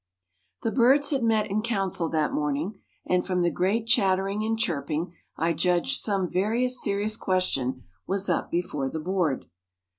The birds had met in council that morning, and from the great chattering and chirping I judged some very serious question was up before the board.